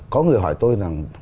có người hỏi tôi rằng